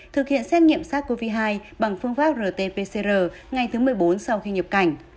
thực hiện xét nghiệm sars cov hai bằng phương pháp rt pcr ngày thứ một mươi bốn sau khi nhập cảnh